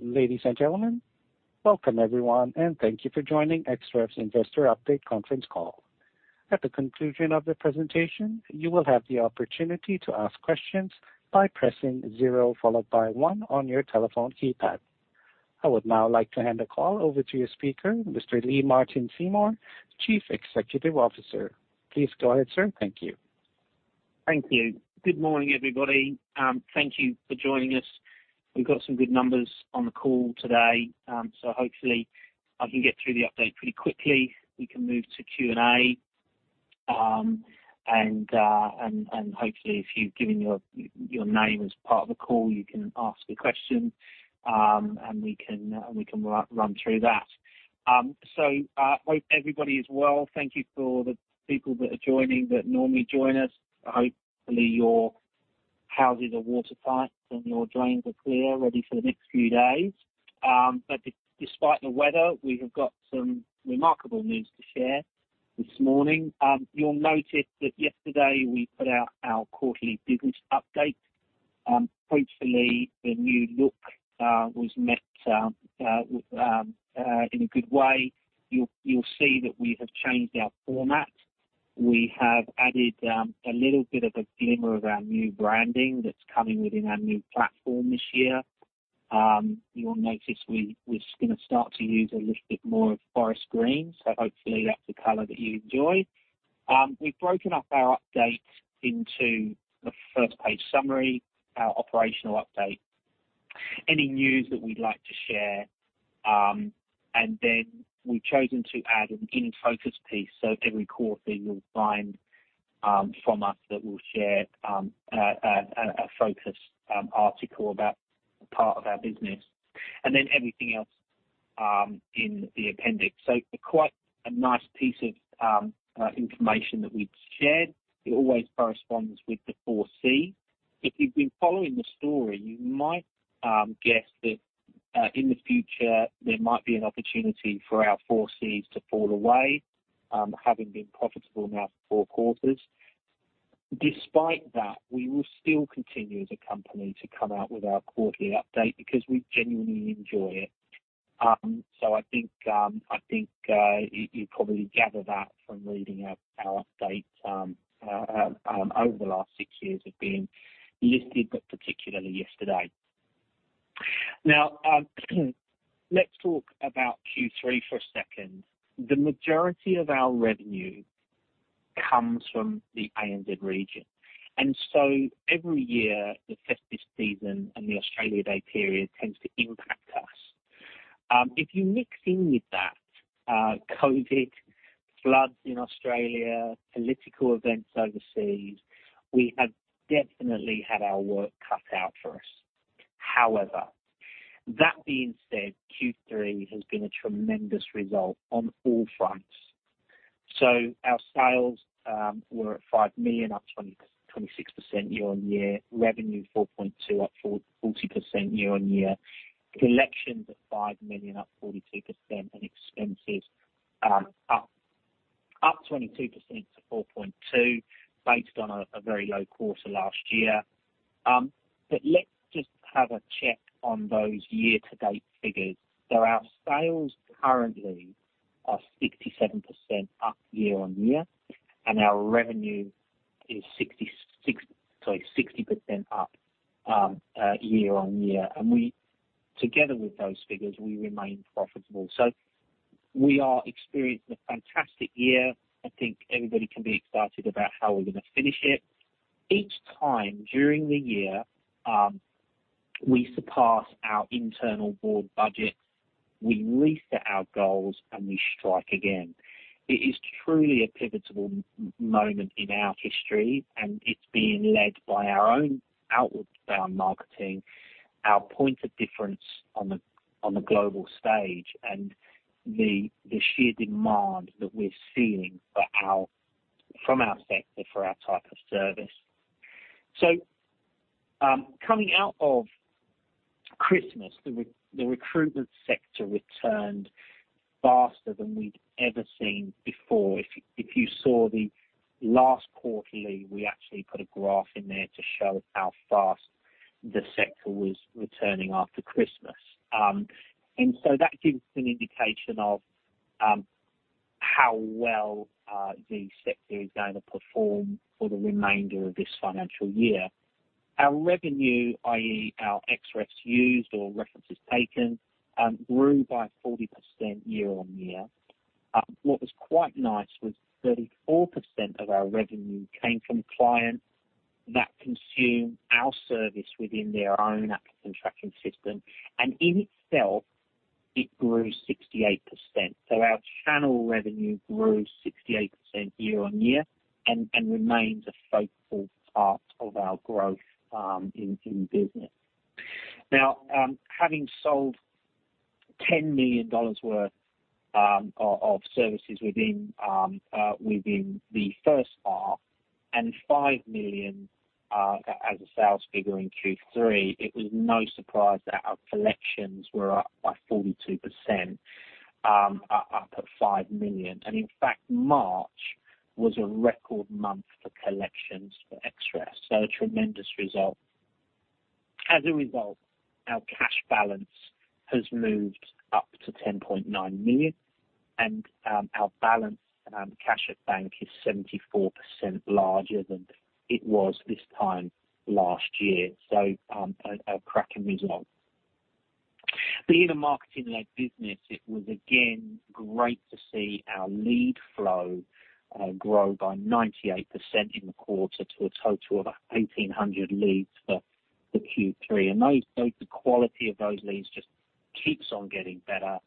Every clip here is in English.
Ladies and gentlemen, welcome everyone, and thank you for joining Xref's Investor Update Conference Call. At the conclusion of the presentation, you will have the opportunity to ask questions by pressing zero followed by one on your telephone keypad. I would now like to hand the call over to your speaker, Mr. Lee-Martin Seymour, Chief Executive Officer. Please go ahead, sir. Thank you. Thank you. Good morning, everybody. Thank you for joining us. We've got some good numbers on the call today. Hopefully I can get through the update pretty quickly. We can move to Q&A. Hopefully, if you've given your name as part of the call, you can ask a question, and we can run through that. Hope everybody is well. Thank you for the people that are joining that normally join us. Hopefully, your houses are watertight and your drains are clear, ready for the next few days. Despite the weather, we have got some remarkable news to share this morning. You'll notice that yesterday we put out our quarterly business update. Hopefully the new look was met in a good way. You'll see that we have changed our format. We have added a little bit of a glimmer of our new branding that's coming within our new platform this year. You'll notice we're just gonna start to use a little bit more of forest green, so hopefully that's a color that you enjoy. We've broken up our update into the first page summary, our operational update, any news that we'd like to share, and then we've chosen to add an in-focus piece. Every quarter you'll find from us that we'll share a focus article about part of our business, and then everything else in the appendix. Quite a nice piece of information that we've shared. It always corresponds with the Four Cs. If you've been following the story, you might guess that in the future there might be an opportunity for our four Cs to fall away, having been profitable now for 4 quarters. Despite that, we will still continue as a company to come out with our quarterly update because we genuinely enjoy it. I think you probably gather that from reading our update over the last 6 years of being listed, but particularly yesterday. Now, let's talk about Q3 for a second. The majority of our revenue comes from the ANZ region. Every year, the festive season and the Australia Day period tends to impact us. If you mix in with that, COVID, floods in Australia, political events overseas, we have definitely had our work cut out for us. However, that being said, Q3 has been a tremendous result on all fronts. Our sales were at 5 million, up 26% year-on-year. Revenue, 4.2 million, up 40% year-on-year. Collections at 5 million, up 42%. Expenses up 22% to 4.2 million, based on a very low quarter last year. Let's just have a check on those year-to-date figures. Our sales currently are 67% up year-on-year, and our revenue is 60% up year-on-year. We, together with those figures, remain profitable. We are experiencing a fantastic year. I think everybody can be excited about how we're gonna finish it. Each time during the year, we surpass our internal board budgets, we reset our goals, and we strike again. It is truly a pivotal moment in our history, and it's being led by our own outbound marketing, our point of difference on the global stage, and the sheer demand that we're seeing from our sector for our type of service. Coming out of Christmas, the recruitment sector returned faster than we'd ever seen before. If you saw the last quarterly, we actually put a graph in there to show how fast the sector was returning after Christmas. That gives an indication of how well the sector is gonna perform for the remainder of this financial year. Our revenue, i.e., our Xrefs used or references taken, grew by 40% year-over-year. What was quite nice was 34% of our revenue came from clients that consume our service within their own applicant tracking system, and in itself it grew 68%. Our channel revenue grew 68% year-on-year and remains a focal part of our growth in business. Having sold 10 million dollars worth of services within the first half and 5 million as a sales figure in Q3, it was no surprise that our collections were up by 42%, up at 5 million. In fact, March was a record month for collections for Xref, so a tremendous result. As a result, our cash balance has moved up to 10.9 million, and our cash at bank is 74% larger than it was this time last year. A cracking result. Being a marketing-led business, it was again great to see our lead flow grow by 98% in the quarter to a total of 1,800 leads for Q3. The quality of those leads just keeps on getting better.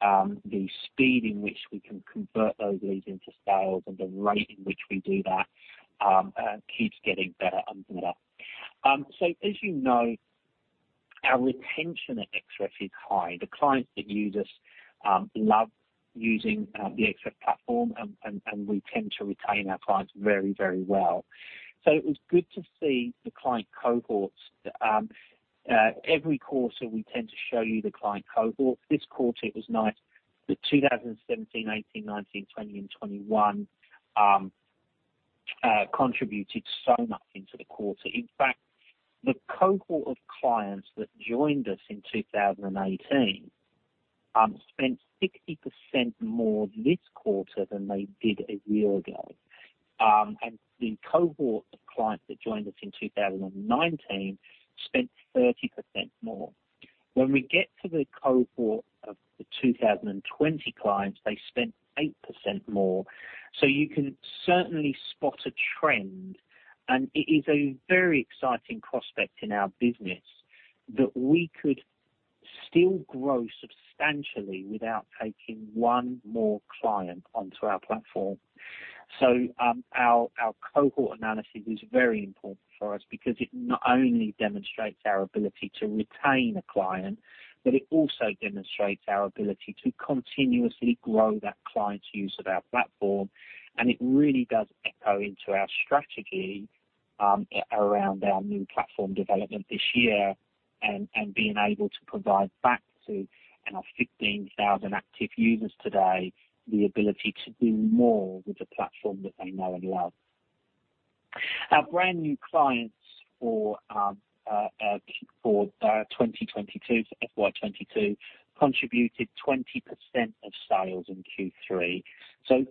The speed in which we can convert those leads into sales and the rate in which we do that keeps getting better and better. As you know, our retention at Xref is high. The clients that use us love using the Xref platform and we tend to retain our clients very well. It was good to see the client cohorts. Every quarter, we tend to show you the client cohort. This quarter, it was nice that 2017, 2018, 2019, 2020 and 2021 contributed so much into the quarter. In fact, the cohort of clients that joined us in 2018 spent 60% more this quarter than they did a year ago. The cohort of clients that joined us in 2019 spent 30% more. When we get to the cohort of the 2020 clients, they spent 8% more. You can certainly spot a trend, and it is a very exciting prospect in our business that we could still grow substantially without taking one more client onto our platform. Our cohort analysis is very important for us because it not only demonstrates our ability to retain a client, but it also demonstrates our ability to continuously grow that client's use of our platform. It really does echo into our strategy around our new platform development this year and being able to provide back to our 15,000 active users today the ability to do more with the platform that they know and love. Our brand new clients for Q1 2022, so FY 2022, contributed 20% of sales in Q3.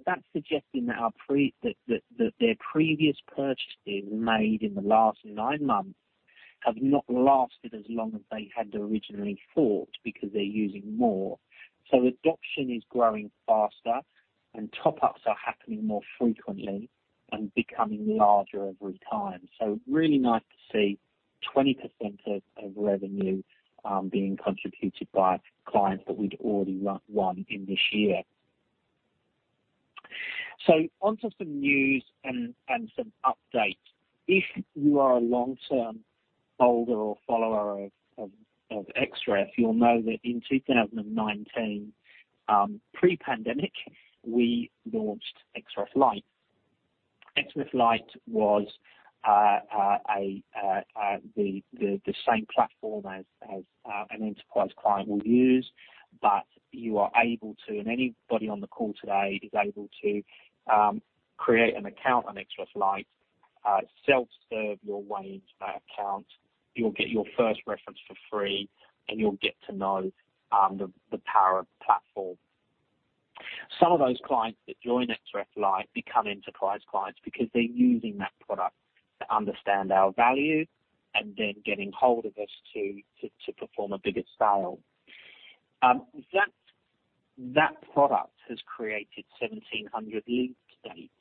That's suggesting that their previous purchases made in the last 9 months have not lasted as long as they had originally thought because they're using more. Adoption is growing faster and top ups are happening more frequently and becoming larger every time. Really nice to see 20% of revenue being contributed by clients that we'd already won in this year. On to some news and some updates. If you are a long-term holder or follower of Xref, you'll know that in 2019, pre-pandemic, we launched Xref Light. Xref Light was the same platform as an enterprise client will use. But you are able to, and anybody on the call today is able to, create an account on Xref Light, self-serve your way into that account. You'll get your first reference for free, and you'll get to know the power of the platform. Some of those clients that join Xref Light become enterprise clients because they're using that product to understand our value and then getting hold of us to perform a bigger sale. That product has created 1,700 leads to date.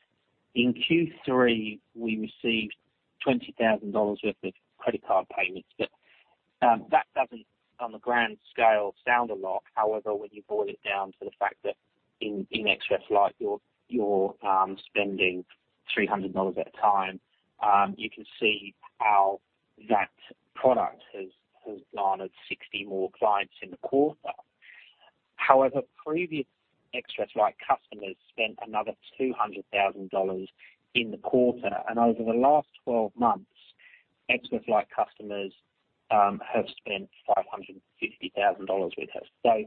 In Q3, we received 20,000 dollars worth of credit card payments, but that doesn't on the grand scale sound a lot. However, when you boil it down to the fact that in Xref Light, you're spending 300 dollars at a time, you can see how that product has garnered 60 more clients in the quarter. However, previous Xref Light customers spent another 200,000 dollars in the quarter. Over the last 12 months, Xref Light customers have spent 550,000 dollars with us.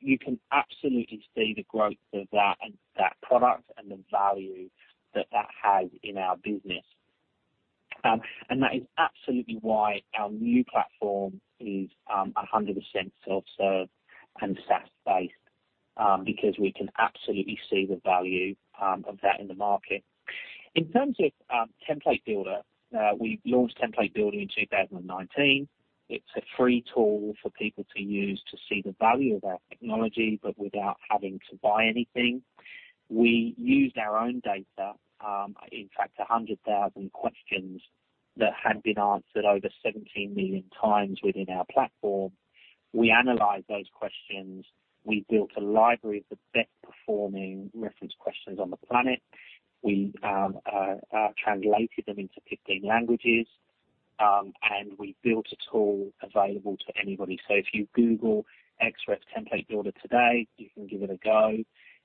You can absolutely see the growth of that and that product and the value that that has in our business. That is absolutely why our new platform is 100% self-serve and SaaS-based, because we can absolutely see the value of that in the market. In terms of Template Builder, we launched Template Builder in 2019. It's a free tool for people to use to see the value of our technology, but without having to buy anything. We used our own data, in fact, 100,000 questions that had been answered over 17 million times within our platform. We analyzed those questions. We built a library of the best-performing reference questions on the planet. We translated them into 15 languages, and we built a tool available to anybody. If you google Xref Template Builder today, you can give it a go.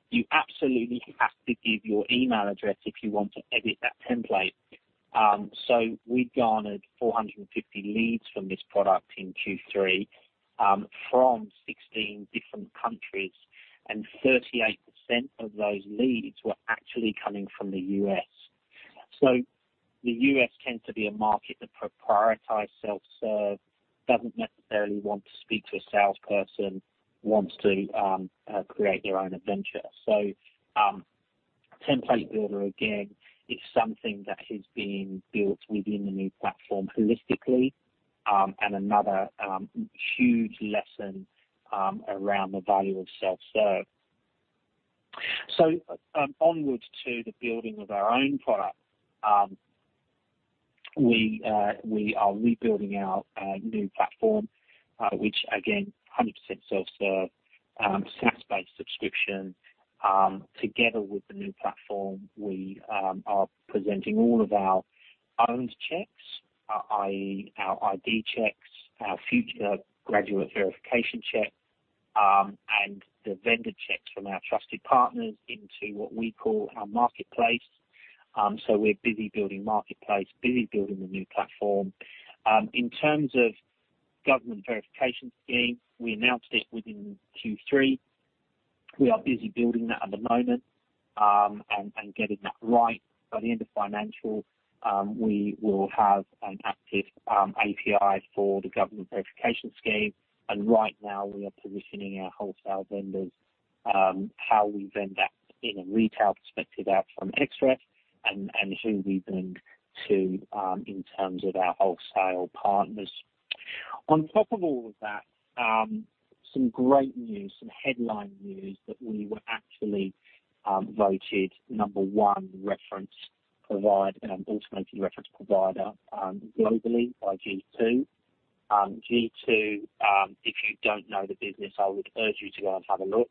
You absolutely have to give your email address if you want to edit that template. We garnered 450 leads from this product in Q3, from 16 different countries, and 38% of those leads were actually coming from the U.S. The U.S. tends to be a market that prioritizes self-serve, doesn't necessarily want to speak to a salesperson, wants to create their own adventure. Template Builder, again, is something that is being built within the new platform holistically, and another huge lesson around the value of self-serve. Onwards to the building of our own product. We are rebuilding our new platform, which again, 100% self-serve, SaaS-based subscription. Together with the new platform, we are presenting all of our own checks, i.e. our ID checks, our future graduate verification check, and the vendor checks from our trusted partners into what we call our Trust Marketplace. We're busy building marketplace, busy building the new platform. In terms of government verification scheme, we announced it within Q3. We are busy building that at the moment, and getting that right. By the end of financial, we will have an active API for the government verification scheme. Right now, we are positioning our wholesale vendors, how we vend that in a retail perspective out from Xref and who we vend to, in terms of our wholesale partners. On top of all of that, some great news, some headline news that we were actually voted number 1 reference provider, automated reference provider, globally by G2. G2, if you don't know the business, I would urge you to go and have a look.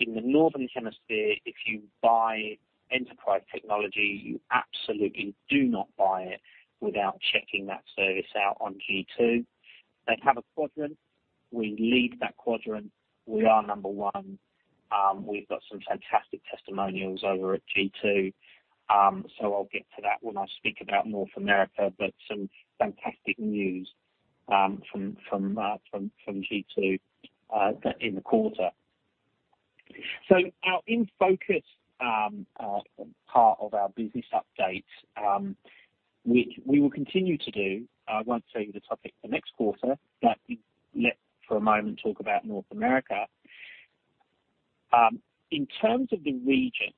In the northern hemisphere, if you buy enterprise technology, you absolutely do not buy it without checking that service out on G2. They have a quadrant. We lead that quadrant. We are number 1. We've got some fantastic testimonials over at G2. So I'll get to that when I speak about North America, but some fantastic news from G2 in the quarter. Our In Focus, part of our business update, which we will continue to do. I won't tell you the topic for next quarter, but let's, for a moment, talk about North America. In terms of the region,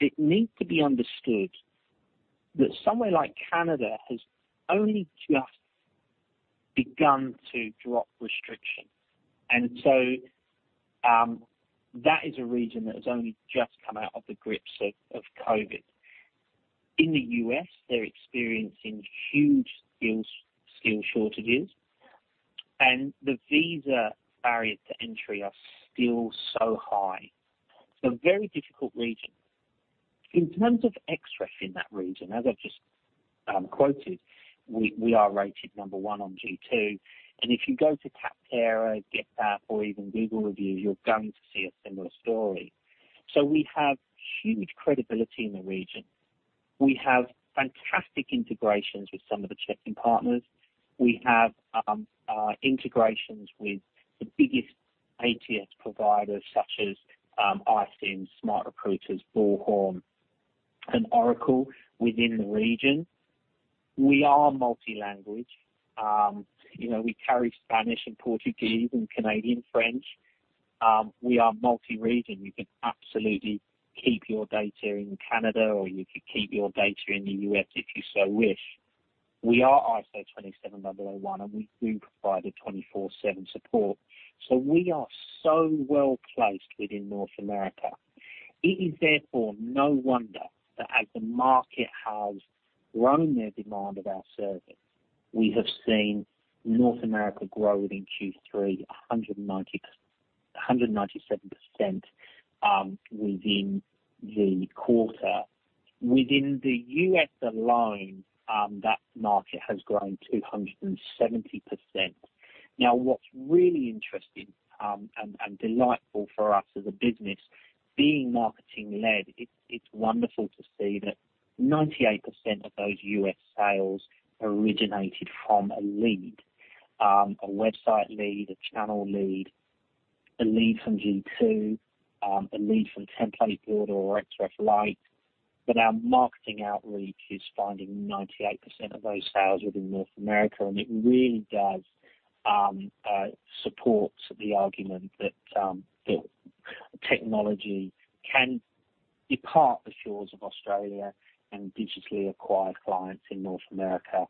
it needs to be understood that somewhere like Canada has only just begun to drop restrictions. That is a region that has only just come out of the grips of COVID. In the U.S., they're experiencing huge skill shortages, and the visa barriers to entry are still so high. Very difficult region. In terms of Xref in that region, as I've just quoted, we are rated number one on G2. If you go to Capterra, GetApp, or even Google reviews, you're going to see a similar story. We have huge credibility in the region. We have fantastic integrations with some of the checking partners. We have integrations with the biggest ATS providers such as iCIMS, SmartRecruiters, Bullhorn, and Oracle within the region. We are multi-language. You know, we carry Spanish and Portuguese and Canadian French. We are multi-region. You can absolutely keep your data in Canada, or you could keep your data in the U.S. if you so wish. We are ISO 27001, and we do provide a 24/7 support. We are so well-placed within North America. It is therefore no wonder that as the market has grown their demand of our service, we have seen North America grow within Q3 197% within the quarter. Within the U.S. alone, that market has grown 270%. Now, what's really interesting and delightful for us as a business, being marketing-led, it's wonderful to see that 98% of those U.S. sales originated from a lead, a website lead, a channel lead, a lead from G2, a lead from Template Builder or Xref Light. Our marketing outreach is finding 98% of those sales within North America, and it really does support the argument that that technology can depart the shores of Australia and digitally acquire clients in North America.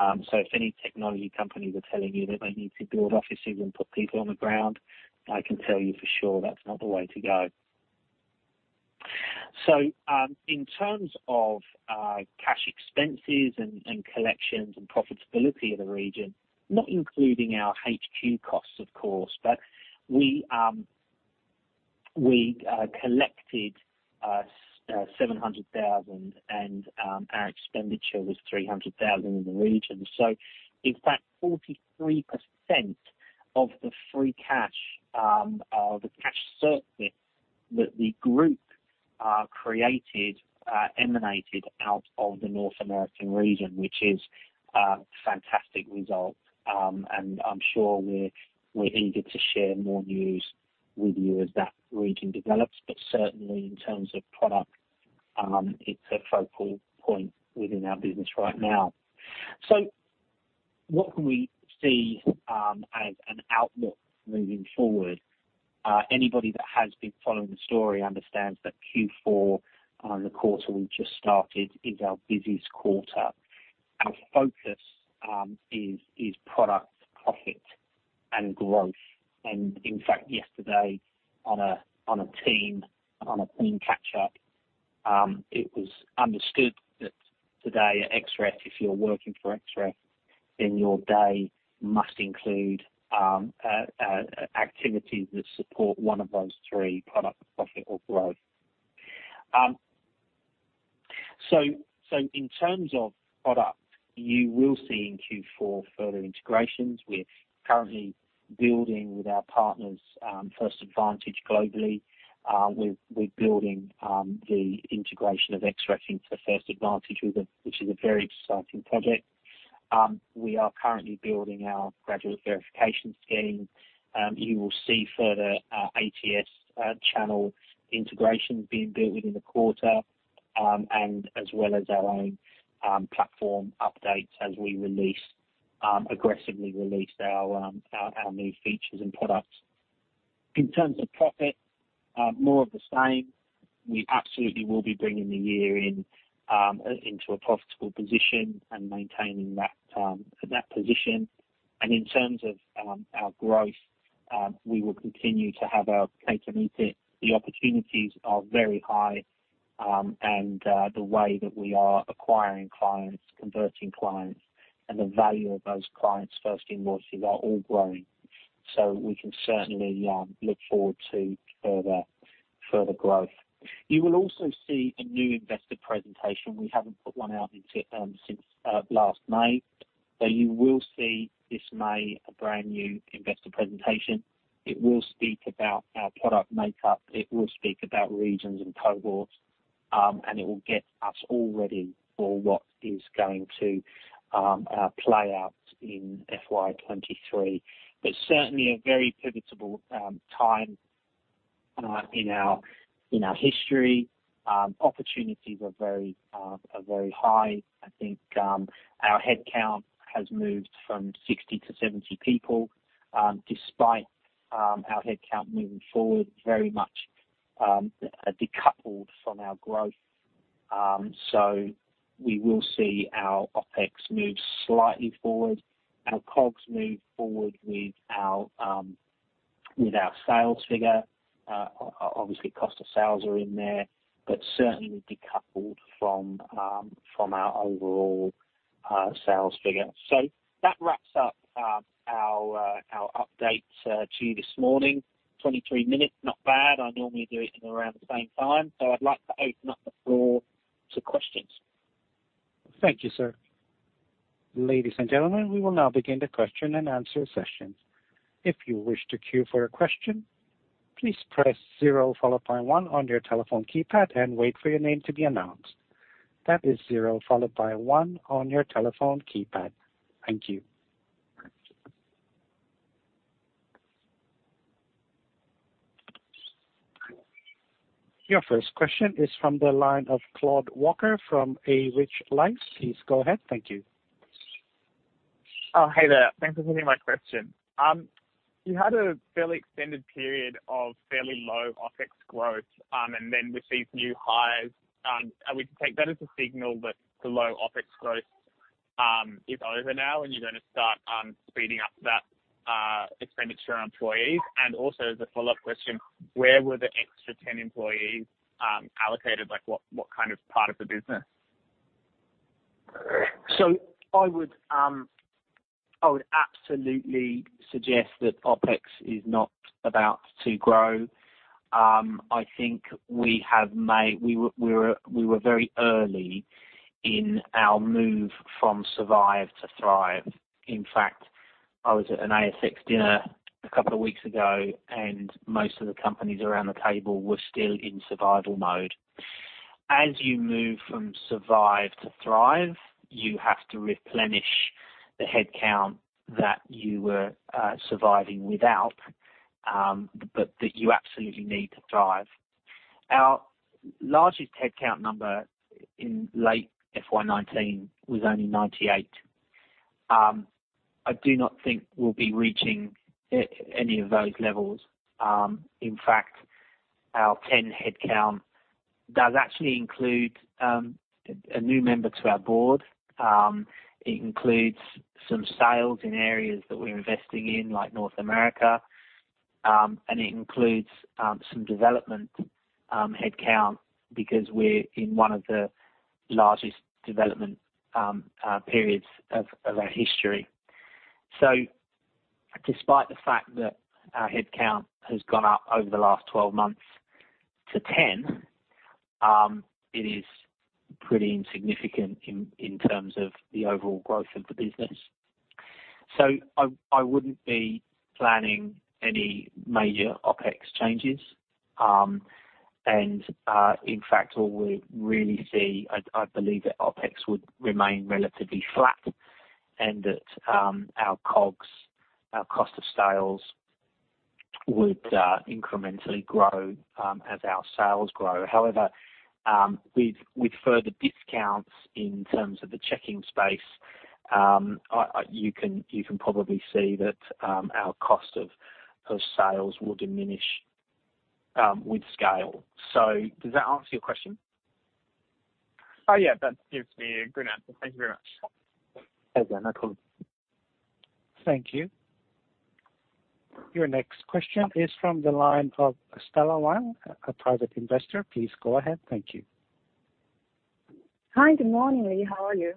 If any technology company were telling you that they need to build offices and put people on the ground, I can tell you for sure that's not the way to go. In terms of cash expenses and collections and profitability of the region, not including our HQ costs, of course, but we collected seven hundred thousand and our expenditure was three hundred thousand in the region. In fact, 43% of the free cash, the cash surplus that the group created emanated out of the North American region, which is a fantastic result. I'm sure we're eager to share more news with you as that region develops. Certainly in terms of product, it's a focal point within our business right now. What can we see as an outlook moving forward? Anybody that has been following the story understands that Q4, the quarter we just started, is our busiest quarter. Our focus is product, profit, and growth. In fact, yesterday on a team catch-up, it was understood that today at Xref, if you're working for Xref, then your day must include activities that support one of those three, product, profit or growth. In terms of product, you will see in Q4 further integrations. We're currently building with our partners, First Advantage globally. We're building the integration of Xref into First Advantage, which is a very exciting project. We are currently building our graduate verification scheme. You will see further ATS channel integration being built within the quarter, and as well as our own platform updates as we aggressively release our new features and products. In terms of profit, more of the same. We absolutely will be bringing the year in into a profitable position and maintaining that position. In terms of our growth, we will continue to have our cake and eat it. The opportunities are very high, and the way that we are acquiring clients, converting clients, and the value of those clients first invoices are all growing. We can certainly look forward to further growth. You will also see a new investor presentation. We haven't put one out since last May. You will see this May a brand new investor presentation. It will speak about our product makeup, it will speak about regions and cohorts, and it will get us all ready for what is going to play out in FY 2023. Certainly a very pivotal time in our history. Opportunities are very high. I think our head count has moved from 60 to 70 people, despite our head count moving forward very much decoupled from our growth. So we will see our OpEx move slightly forward, our COGS move forward with our sales figure. Obviously, cost of sales are in there, but certainly decoupled from our overall sales figure. That wraps up our update to you this morning. 23 minutes, not bad. I normally do it in around the same time. I'd like to open up the floor to questions. Thank you, sir. Ladies and gentlemen, we will now begin the question and answer session. If you wish to queue for a question, please press 0 followed by 1 on your telephone keypad and wait for your name to be announced. That is 0 followed by 1 on your telephone keypad. Thank you. Your first question is from the line of Claude Walker from A Rich Life. Please go ahead. Thank you. Oh, hey there. Thanks for taking my question. You had a fairly extended period of fairly low OpEx growth, and then with these new highs, are we to take that as a signal that the low OpEx growth is over now and you're gonna start speeding up that expenditure on employees? Also as a follow-up question, where were the extra 10 employees allocated? Like, what kind of part of the business? I would absolutely suggest that OpEx is not about to grow. I think we were very early in our move from survive to thrive. In fact, I was at an ASX dinner a couple of weeks ago, and most of the companies around the table were still in survival mode. As you move from survive to thrive, you have to replenish the head count that you were surviving without, but that you absolutely need to thrive. Our largest head count number in late FY 2019 was only 98. I do not think we'll be reaching any of those levels. In fact, our 10 headcount does actually include a new member to our board. It includes some sales in areas that we're investing in, like North America. It includes some development head count because we're in one of the largest development periods of our history. Despite the fact that our head count has gone up over the last 12 months to 10, it is pretty insignificant in terms of the overall growth of the business. I wouldn't be planning any major OpEx changes. In fact, all we really see, I believe that OpEx would remain relatively flat and that our COGS, our cost of sales would incrementally grow as our sales grow. However, with further discounts in terms of the checking space, you can probably see that our cost of sales will diminish with scale. Does that answer your question? That gives me a good answer. Thank you very much. Okay. No problem. Thank you. Your next question is from the line of Stella Wong, a private investor. Please go ahead. Thank you. Hi. Good morning, Lee. How are you?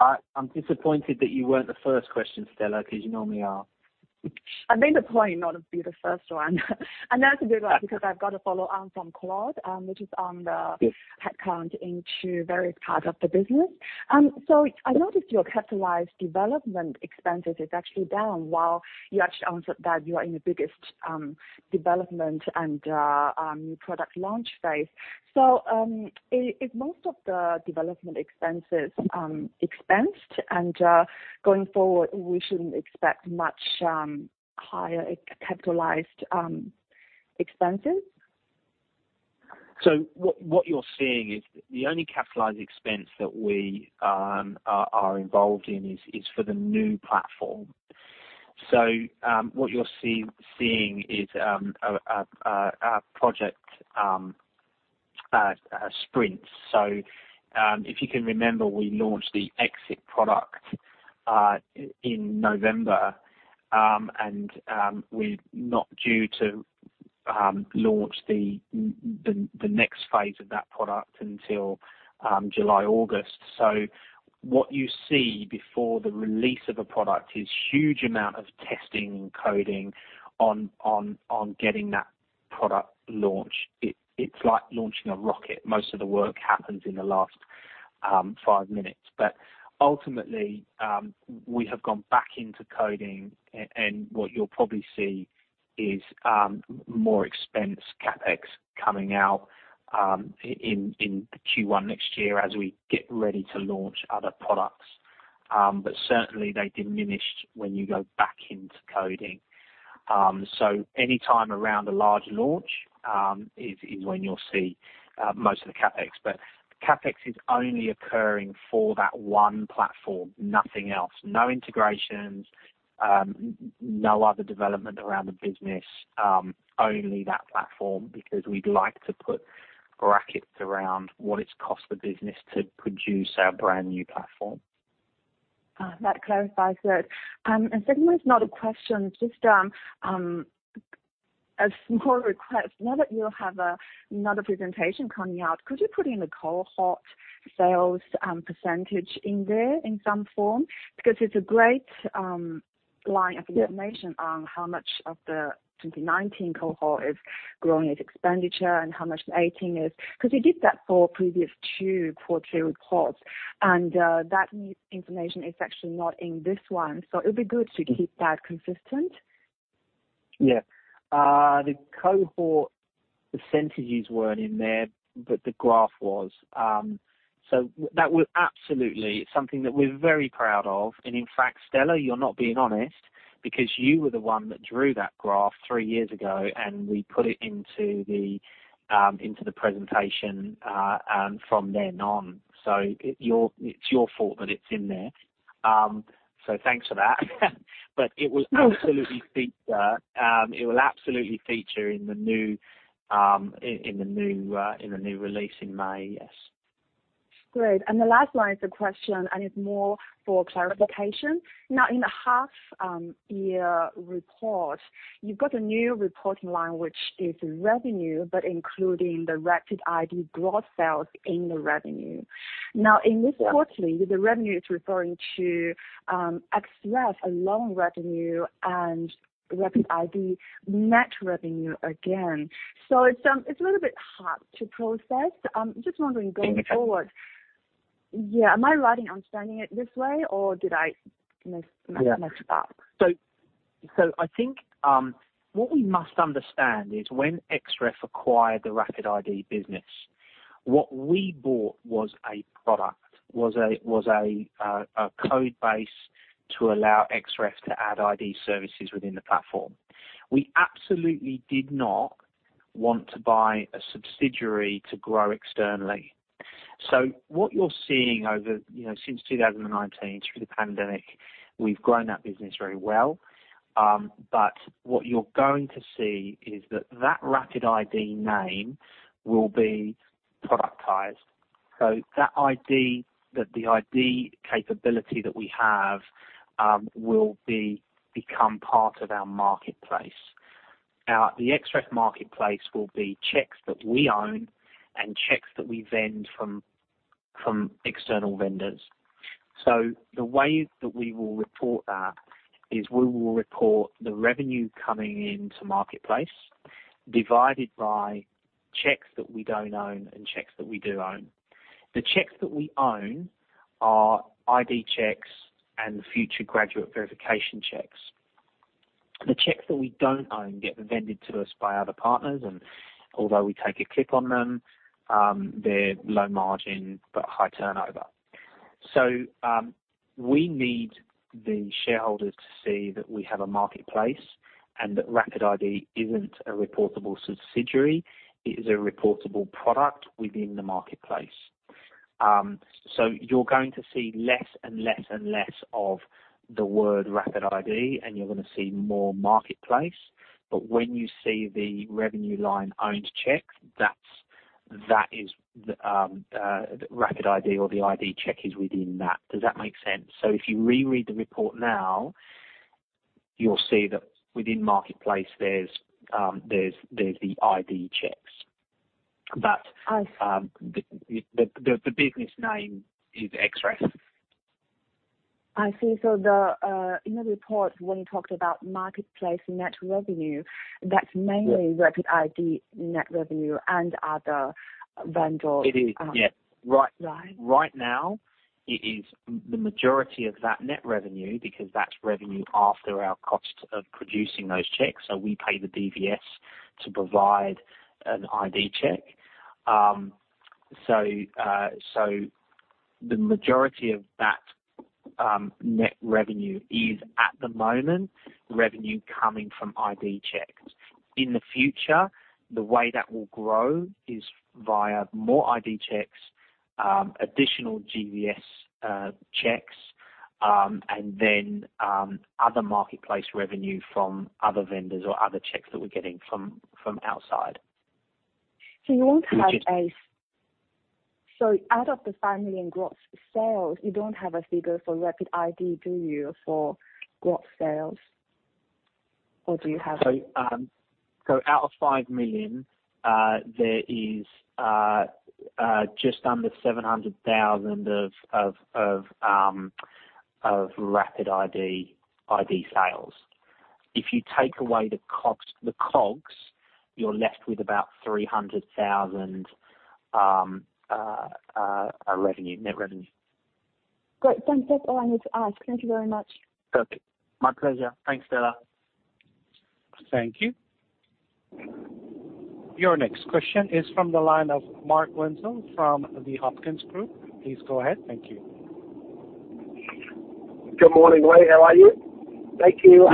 I'm disappointed that you weren't the first question, Stella, because you normally are. I made a point not to be the first one. That's a good one because I've got a follow-on from Claude, which is on the Yes. Headcount into various parts of the business. I noticed your capitalized development expenses is actually down while you actually answered that you are in your biggest development and new product launch phase. Is most of the development expenses expensed and going forward, we shouldn't expect much higher capitalized expenses? What you're seeing is the only capitalized expense that we are involved in is for the new platform. What you're seeing is a project sprint. If you can remember, we launched the exit product in November. We're not due to launch the next phase of that product until July, August. What you see before the release of a product is huge amount of testing and coding on getting that product launched. It's like launching a rocket. Most of the work happens in the last five minutes. Ultimately, we have gone back into coding and what you'll probably see is more expense CapEx coming out in the Q1 next year as we get ready to launch other products. Certainly they diminished when you go back into coding. Anytime around a large launch is when you'll see most of the CapEx. CapEx is only occurring for that one platform, nothing else. No integrations, no other development around the business, only that platform because we'd like to put brackets around what it's cost the business to produce our brand-new platform. That clarifies it. Second one is not a question, just a small request. Now that you have another presentation coming out, could you put in the cohort sales percentage in there in some form? Because it's a great line of information on how much of the 2019 cohort is growing its expenditure and how much 2018 is. Because you did that for previous two quarter reports, and that new information is actually not in this one, so it'd be good to keep that consistent. The cohort percentages weren't in there, but the graph was. That was absolutely something that we're very proud of. In fact, Stella, you're not being honest because you were the one that drew that graph three years ago, and we put it into the presentation and from then on. It's your fault that it's in there. Thanks for that. It will absolutely feature. It will absolutely feature in the new release in May. Yes. Great. The last one is a question, and it's more for clarification. Now, in the half year report, you've got a new reporting line, which is revenue, but including the RapidID gross sales in the revenue. Now, in this quarterly, the revenue is referring to, Xref alone revenue and RapidID net revenue again. It's a little bit hard to process. Just wondering going forward. Okay. Am I right in understanding it this way or did I mess it up? I think what we must understand is when Xref acquired the RapidID business, what we bought was a product, a code base to allow Xref to add ID services within the platform. We absolutely did not want to buy a subsidiary to grow externally. What you're seeing over since 2019 through the pandemic, we've grown that business very well. What you're going to see is that RapidID name will be productized. That ID capability that we have will become part of our marketplace. The Xref marketplace will be checks that we own and checks that we vend from external vendors. The way that we will report that is we will report the revenue coming into marketplace divided by checks that we don't own and checks that we do own. The checks that we own are ID checks and future graduate verification checks. The checks that we don't own get vended to us by other partners. Although we take a kick on them, they're low margin but high turnover. We need the shareholders to see that we have a marketplace and that RapidID isn't a reportable subsidiary. It is a reportable product within the marketplace. You're going to see less and less of the word RapidID, and you're gonna see more marketplace. When you see the revenue line owned checks, that's the RapidID or the ID check is within that. Does that make sense? If you reread the report now, you'll see that within Trust Marketplace there's the ID checks. But I see. The business name is Xref. I see. In the report, when you talked about marketplace net revenue that's mainly RapidID net revenue and other vendor It is.. Right. Right now it is the majority of that net revenue because that's revenue after our cost of producing those checks. We pay the DVS to provide an ID check. The majority of that net revenue is at the moment revenue coming from ID checks. In the future, the way that will grow is via more ID checks, additional GVS checks, and then other marketplace revenue from other vendors or other checks that we're getting from outside. You won't have. We just- Out of the 5 million gross sales, you don't have a figure for RapidID, do you, for gross sales? Or do you have it? Out of 5 million, there is just under 700,000 of RapidID ID sales. If you take away the COGS, you're left with about 300,000 net revenue. Great. Thanks. That's all I need to ask. Thank you very much. Okay. My pleasure. Thanks, Bella. Thank you. Your next question is from the line of Mark Wenzel from The Hopkins Group. Please go ahead. Thank you. Good morning, Lee. How are you? Thank you.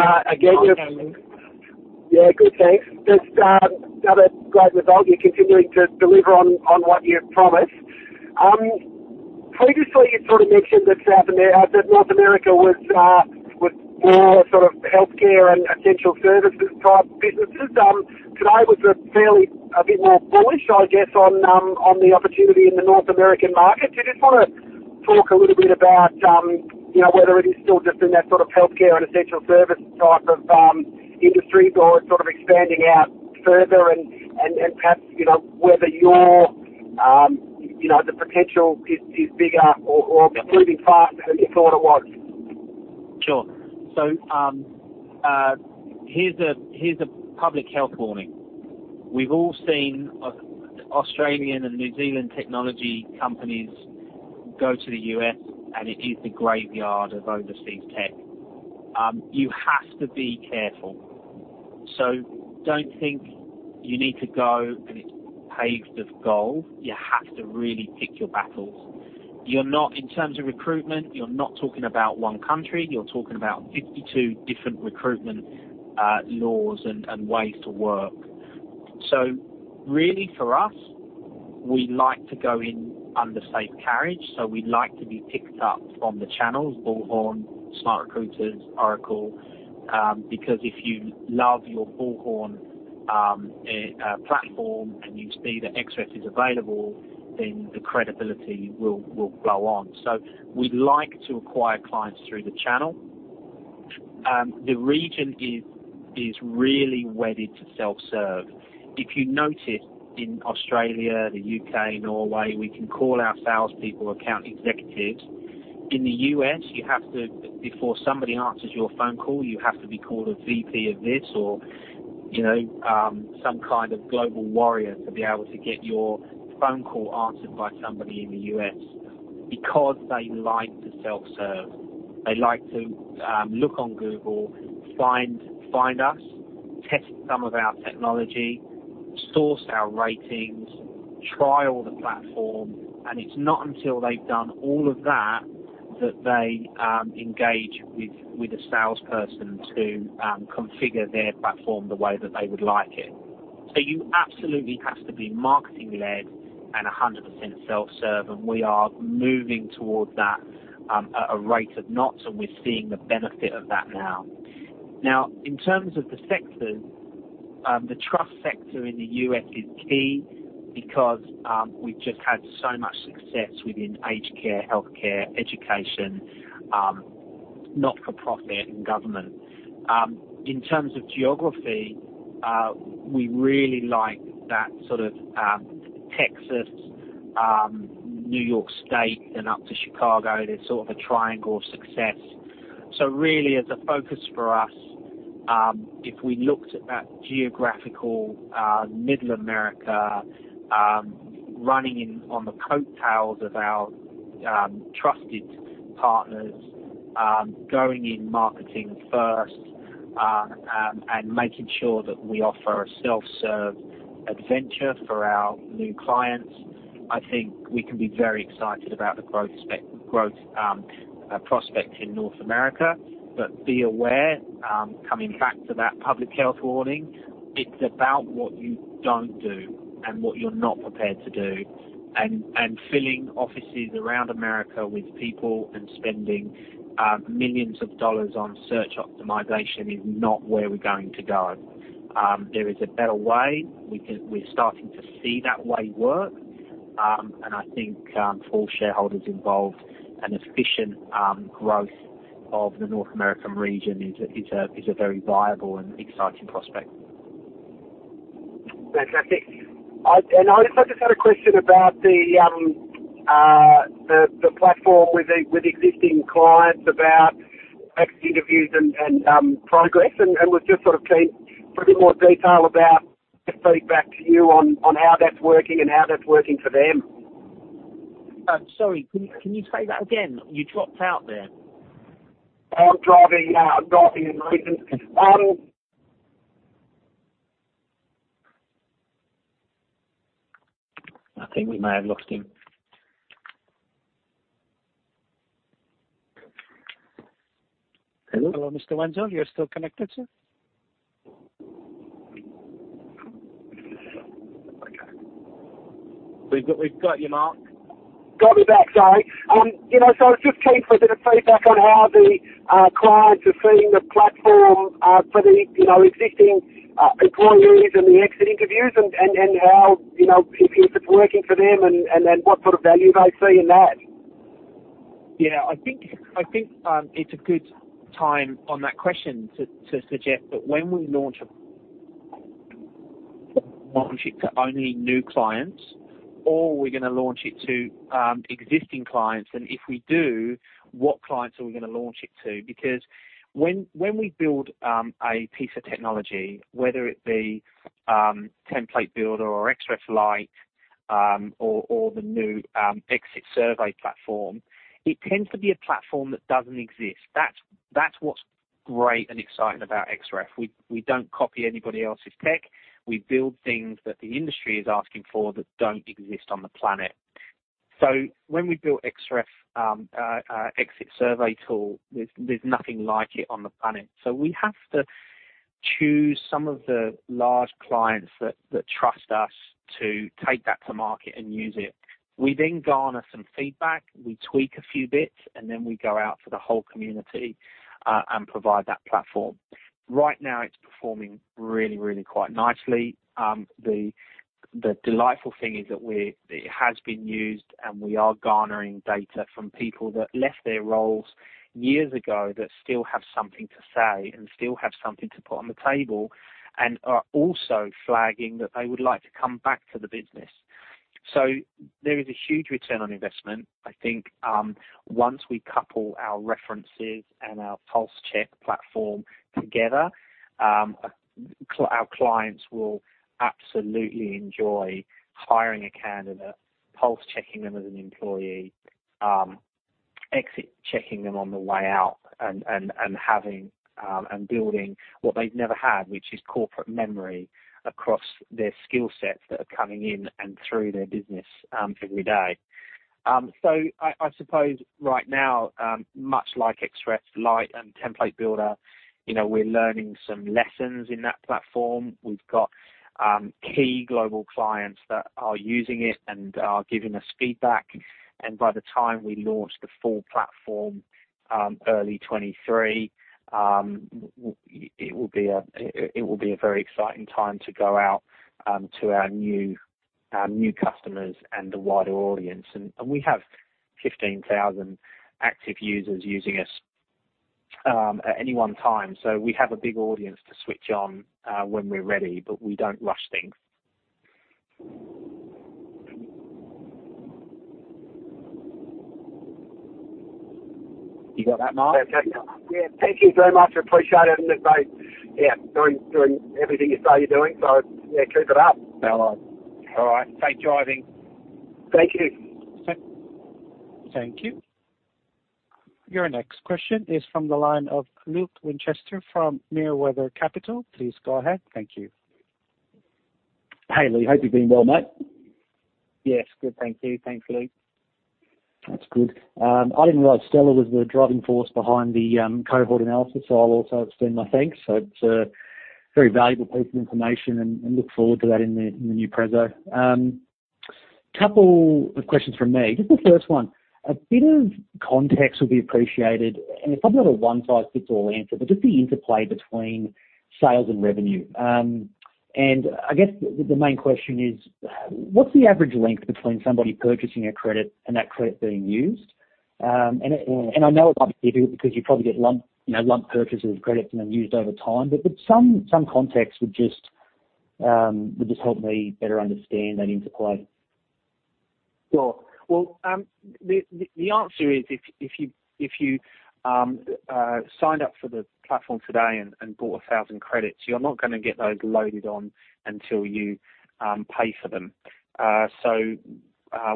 Again, Good, thanks. Just another great result. You're continuing to deliver on what you've promised. Previously, you sort of mentioned that North America was more sort of healthcare and essential services type businesses. Today was fairly a bit more bullish, I guess, on the opportunity in the North American market. Do you just wanna talk a little bit about you know, whether it is still just in that sort of healthcare and essential service type of industries or sort of expanding out further and perhaps, you know, whether your the potential is bigger or improving faster than you thought it was? Sure. Here's a public health warning. We've all seen Australian and New Zealand technology companies go to the U.S., and it is the graveyard of overseas tech. You have to be careful. Don't think you need to go, and it's paved with gold. You have to really pick your battles. In terms of recruitment, you're not talking about one country. You're talking about 52 different recruitment laws and ways to work. Really for us, we like to go in under safe harbor. We like to be picked up from the channels, Bullhorn, SmartRecruiters, Oracle, because if you love your Bullhorn platform and you see that Xref is available, then the credibility will glow on. We like to acquire clients through the channel. The region is really wedded to self-serve. If you notice in Australia, the U.K., Norway, we can call our salespeople account executives. In the U.S., before somebody answers your phone call, you have to be called a VP of this or, you know, some kind of global warrior to be able to get your phone call answered by somebody in the U.S. because they like to self-serve. They like to look on Google, find us, test some of our technology, source our ratings, trial the platform, and it's not until they've done all of that that they engage with a salesperson to configure their platform the way that they would like it. You absolutely have to be marketing-led and 100% self-serve, and we are moving towards that at a rate of knots, and we're seeing the benefit of that now. In terms of the sectors, the trust sector in the U.S. is key because we've just had so much success within aged care, healthcare, education, not-for-profit and government. In terms of geography, we really like that sort of Texas, New York State and up to Chicago. There's sort of a triangle of success. Really as a focus for us, if we looked at that geography, Middle America, riding on the coattails of our trusted partners, going in marketing first, and making sure that we offer a self-serve option for our new clients, I think we can be very excited about the growth prospects in North America. Be aware, coming back to that public health warning, it's about what you don't do and what you're not prepared to do. Filling offices around America with people and spending $ millions on search optimization is not where we're going to go. There is a better way. We're starting to see that way work, and I think, for shareholders involved, an efficient growth of the North American region is a very viable and exciting prospect. Fantastic. I just had a question about the platform with existing clients about exit interviews and progress. I was just sort of keen for a bit more detail about the feedback to you on how that's working and how that's working for them. Sorry, can you say that again? You dropped out there. I'm driving at the moment. I think we may have lost him. Hello? Hello, Mr. Wenzel. You're still connected, sir? Okay. We've got you, Mark. Got me back. Sorry. You know, so I was just keen for a bit of feedback on how the clients are seeing the platform for the, you know, existing employees and the exit interviews and how, you know, if it's working for them and then what sort of value they see in that. I think it's a good time on that question to suggest that when we launch it to only new clients, or we're gonna launch it to existing clients. If we do, what clients are we gonna launch it to? Because when we build a piece of technology, whether it be Template Builder or Xref Light, or the new Xref Engage platform, it tends to be a platform that doesn't exist. That's what's great and exciting about Xref. We don't copy anybody else's tech. We build things that the industry is asking for that don't exist on the planet. When we built Xref Engage tool, there's nothing like it on the planet. We have to choose some of the large clients that trust us to take that to market and use it. We then garner some feedback, we tweak a few bits, and then we go out to the whole community, and provide that platform. Right now it's performing really quite nicely. The delightful thing is that it has been used, and we are garnering data from people that left their roles years ago that still have something to say and still have something to put on the table, and are also flagging that they would like to come back to the business. There is a huge return on investment. I think, once we couple our references and our Pulse Surveys platform together, our clients will absolutely enjoy hiring a candidate, pulse checking them as an employee, exit checking them on the way out and having and building what they've never had, which is corporate memory across their skill sets that are coming in and through their business every day. I suppose right now, much like Xref Lite and Template Builder, you know, we're learning some lessons in that platform. We've got key global clients that are using it and are giving us feedback. By the time we launch the full platform, early 2023, it will be a very exciting time to go out to our new customers and the wider audience. We have 15,000 active users using us at any one time. We have a big audience to switch on when we're ready, but we don't rush things. You got that, Mark? Fantastic. Thank you very much. I appreciate it. Look great.. Doing everything you say you're doing, so, keep it up. All right. Safe driving. Thank you. Thank you. Your next question is from the line of Luke Winchester from Merewether Capital. Please go ahead. Thank you. Hey, Luke. Hope you're doing well, mate. Yes. Good. Thank you. Thanks, Luke. That's good. I didn't realize Stella was the driving force behind the cohort analysis, so I'll also extend my thanks. It's a very valuable piece of information and look forward to that in the new preso. Couple of questions from me. Just the first one, a bit of context would be appreciated, and it's probably not a one-size-fits-all answer, but just the interplay between sales and revenue. I guess the main question is, what's the average length between somebody purchasing a credit and that credit being used? I know it might be difficult because you probably get lump, you know, lump purchases of credit and then used over time. But some context would just help me better understand that interplay. The answer is if you signed up for the platform today and bought 1,000 credits, you're not gonna get those loaded on until you pay for them.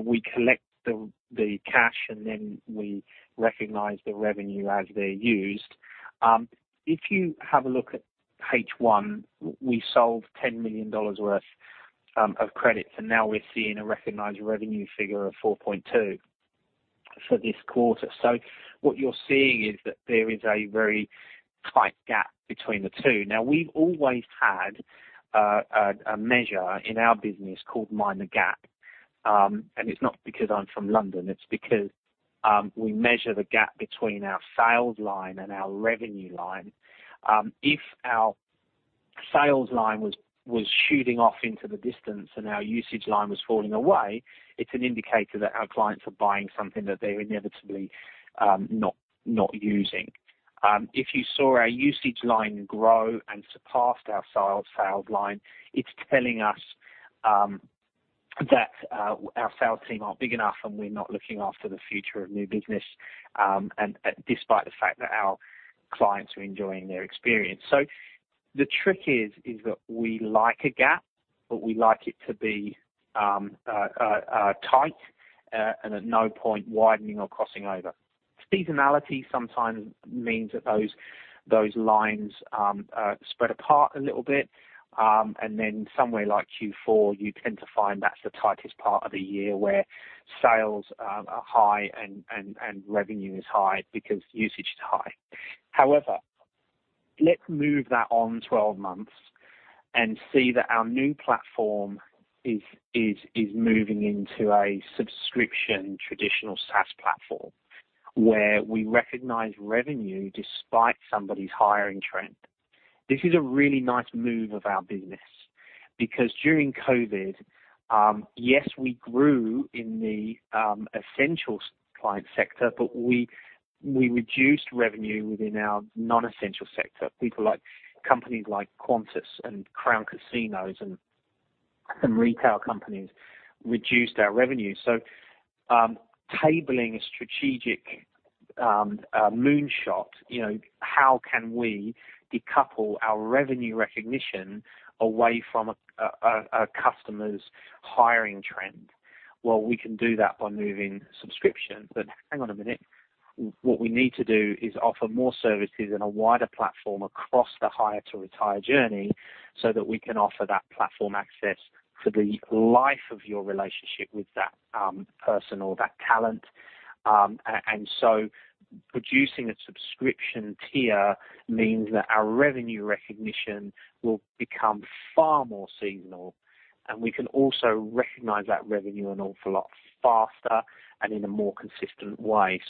We collect the cash, and then we recognize the revenue as they're used. If you have a look at H1, we sold 10 million dollars worth of credits, and now we're seeing a recognized revenue figure of 4.2 million for this quarter. What you're seeing is that there is a very tight gap between the two. Now, we've always had a measure in our business called Mind the Gap. It's not because I'm from London, it's because we measure the gap between our sales line and our revenue line. If our sales line was shooting off into the distance and our usage line was falling away, it's an indicator that our clients are buying something that they're inevitably not using. If you saw our usage line grow and surpassed our sales line, it's telling us that our sales team aren't big enough and we're not looking after the future of new business, despite the fact that our clients are enjoying their experience. The trick is that we like a gap, but we like it to be tight and at no point widening or crossing over. Seasonality sometimes means that those lines spread apart a little bit. Somewhere like Q4 you tend to find that's the tightest part of the year where sales are high and revenue is high because usage is high. However, let's move that on 12 months and see that our new platform is moving into a subscription traditional SaaS platform where we recognize revenue despite somebody's hiring trend. This is a really nice move of our business because during COVID, yes, we grew in the essential client sector, but we reduced revenue within our non-essential sector. People like companies like Qantas and Crown Resorts and retail companies reduced our revenue. Tabling a strategic moonshot, you know, how can we decouple our revenue recognition away from a customer's hiring trend? Well, we can do that by moving subscriptions. Hang on a minute. What we need to do is offer more services and a wider platform across the hire-to-retire journey so that we can offer that platform access for the life of your relationship with that person or that talent. Producing a subscription tier means that our revenue recognition will become far more seasonal, and we can also recognize that revenue an awful lot faster and in a more consistent way.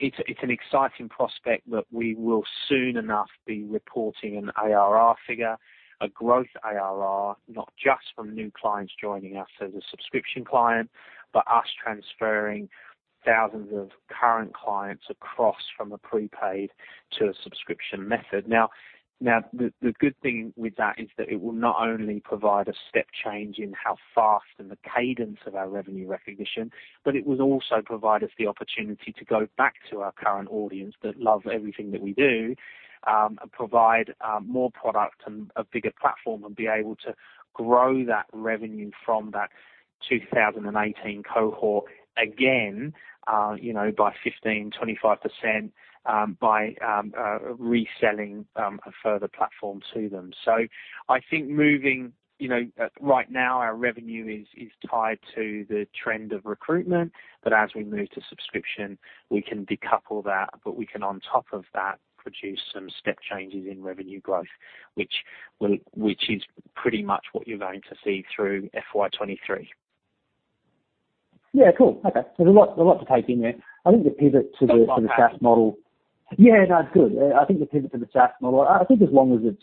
It's an exciting prospect that we will soon enough be reporting an ARR figure, a growth ARR, not just from new clients joining us as a subscription client, but us transferring thousands of current clients across from a prepaid to a subscription method. Now the good thing with that is that it will not only provide a step change in how fast and the cadence of our revenue recognition, but it will also provide us the opportunity to go back to our current audience that love everything that we do, provide more product and a bigger platform and be able to grow that revenue from that 2018 cohort again, you know, by 15%-25%, by reselling a further platform to them. I think moving. You know, right now our revenue is tied to the trend of recruitment. As we move to subscription, we can decouple that. We can on top of that produce some step changes in revenue growth which is pretty much what you are going to see through FY 2023. Cool. Okay. A lot to take in there. I think the pivot to the- Not quite finished. To the SaaS model. No. It's good. I think the pivot to the SaaS model, I think as long as it's,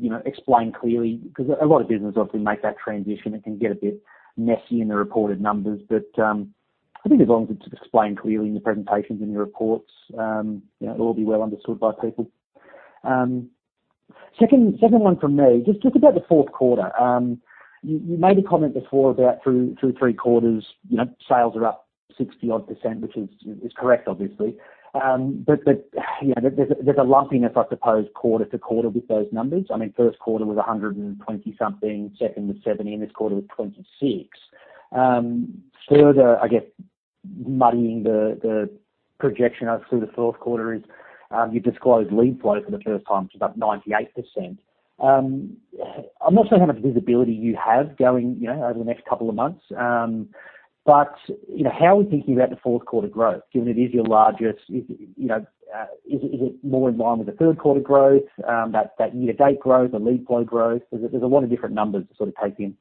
you know, explained clearly 'cause a lot of businesses obviously make that transition, it can get a bit messy in the reported numbers. But I think as long as it's explained clearly in the presentations and your reports, you know, it will be well understood by people. Second one from me, just about the fourth quarter. You made a comment before about through three quarters, you know, sales are up 60-odd% which is correct obviously. But you know, there's a lumpiness I suppose quarter to quarter with those numbers. I mean, first quarter was 120-something%, second was 70% and this quarter was 26%. Further muddying the projection through the fourth quarter is you disclosed lead flow for the first time to about 98%. I'm not sure how much visibility you have going, you know, over the next couple of months. You know, how are we thinking about the fourth quarter growth given it is your largest, you know, is it more in line with the third quarter growth, that year to date growth or lead flow growth? There's a lot of different numbers to sort of take in.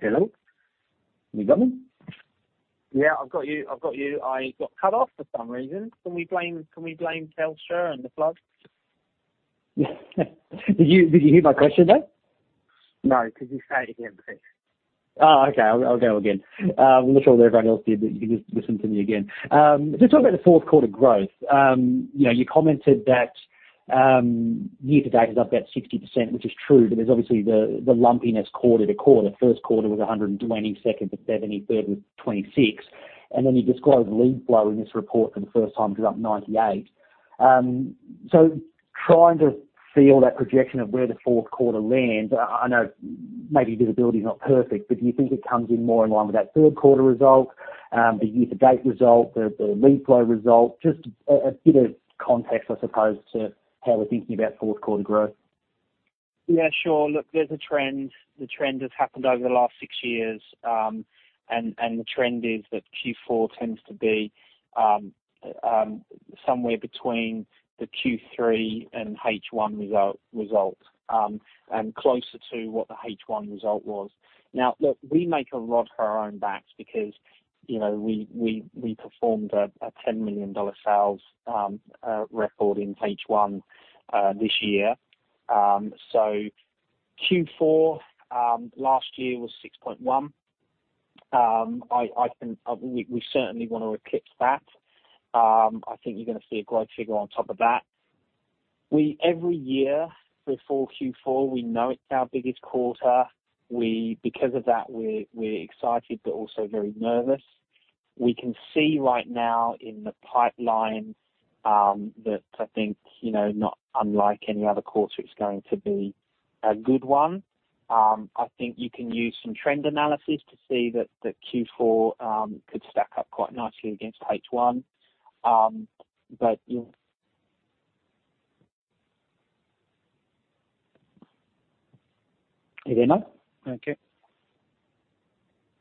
Hello? Have you got me? I've got you. I got cut off for some reason. Can we blame Telstra and the floods? Did you hear my question though? No. Could you say it again, please? Oh, okay. I'll go again. I'm not sure whether everyone else did, but you can just listen to me again, just talking about the fourth quarter growth. You know, you commented that year-to-date is up about 60%, which is true, but there's obviously the lumpiness quarter-to-quarter. First quarter was 120, second was 70, third was 26. You described lead flow in this report for the first time; it was up 98%. Trying to feel that projection of where the fourth quarter lands, I know maybe visibility is not perfect, but do you think it comes in more in line with that third quarter result, the year-to-date result, the lead flow result? Just a bit of context, I suppose, to how we're thinking about fourth quarter growth., sure. Look, there's a trend. The trend has happened over the last six years, and the trend is that Q4 tends to be somewhere between the Q3 and H1 result, and closer to what the H1 result was. Now, look, we make a rod for our own backs because, you know, we performed a 10 million dollar sales record in H1 this year. Q4 last year was 6.1 million. I think we certainly wanna eclipse that. I think you're gonna see a growth figure on top of that. Every year before Q4, we know it's our biggest quarter. We, because of that, we're excited, but also very nervous. We can see right now in the pipeline that I think, you know, not unlike any other quarter, it's going to be a good one. I think you can use some trend analysis to see that Q4 could stack up quite nicely against H1, but you. Are you there, mate? Okay.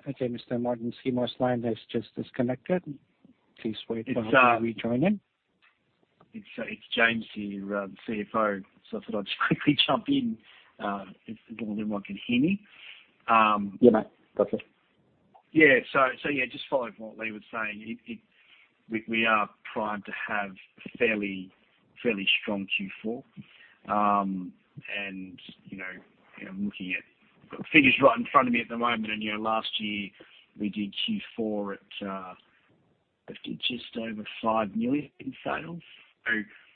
Okay, Mr. Lee-Martin Seymour's line has just disconnected. Please wait while we join him. It's James here, CFO. I thought I'd quickly jump in, if everyone can hear me. Mate. That's it. Just following what Lee was saying. We are primed to have fairly strong Q4. You know, I'm looking at figures right in front of me at the moment, and you know, last year, we did Q4 at just over 5 million in sales.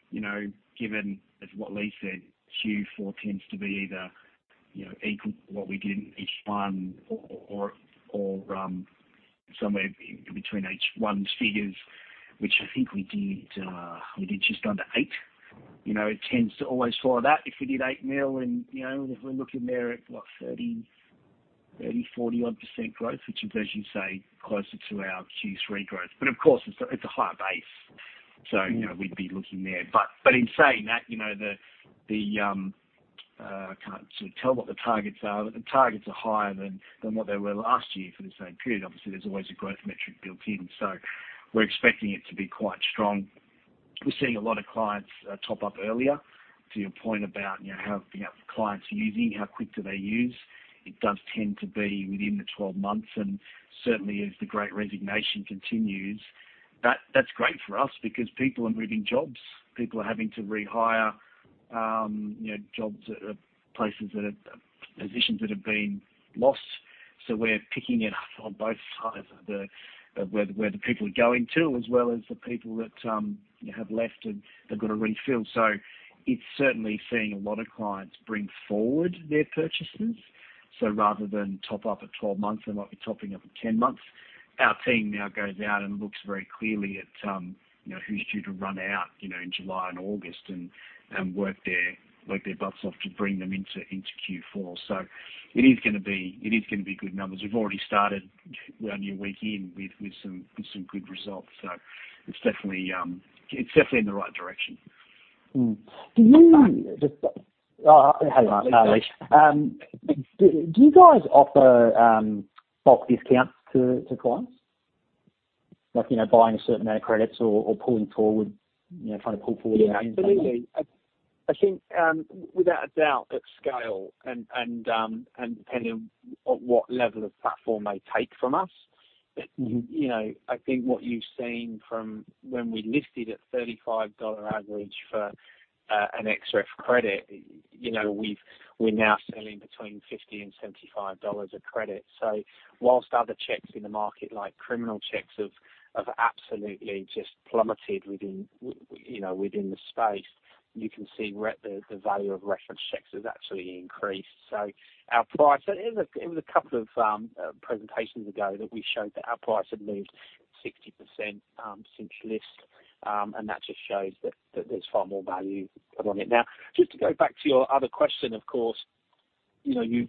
You know, given as what Lee said, Q4 tends to be either you know, equal what we did in H1 or somewhere between H1's figures, which I think we did just under 8 million. You know, it tends to always follow that. If we did 8 million and you know, if we're looking there at what, 30, 40-odd% growth, which is, as you say, closer to our Q3 growth. Of course it's a higher base. You know, we'd be looking there. In saying that, you know, I can't sort of tell what the targets are. The targets are higher than what they were last year for the same period. Obviously, there's always a growth metric built in, so we're expecting it to be quite strong. We're seeing a lot of clients top up earlier. To your point about, you know, how, you know, clients using, how quick do they use? It does tend to be within the 12 months and certainly as the Great Resignation continues. That's great for us because people are moving jobs, people are having to rehire, you know, positions that have been lost. We're picking it up on both sides of where the people are going to, as well as the people that have left and they've got to refill. It's certainly seeing a lot of clients bring forward their purchases. Rather than top up at 12 months, they might be topping up at 10 months. Our team now goes out and looks very clearly at you know, who's due to run out you know, in July and August, and work their butts off to bring them into Q4. It is gonna be good numbers. We've already started our new week in with some good results. It's definitely in the right direction. Hello, Lee. Do you guys offer bulk discounts to clients? Like, you know, buying a certain amount of credits or pulling forward, you know, trying to pull forward payments at all?, absolutely. I think without a doubt at scale and depending on what level of platform they take from us, you know, I think what you've seen from when we listed at 35-dollar average for an Xref credit, you know, we're now selling between 50 and 75 dollars a credit. So whilst other checks in the market, like criminal checks have absolutely just plummeted within the space, you can see the value of reference checks has actually increased. Our price, it was a couple of presentations ago that we showed that our price had moved 60% since list. That just shows that there's far more value on it now. Just to go back to your other question, of course, you know,